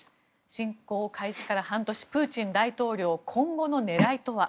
侵攻開始から半年プーチン大統領今後の狙いとは。